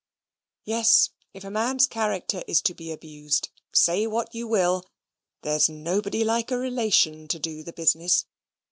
Yes, if a man's character is to be abused, say what you will, there's nobody like a relation to do the business.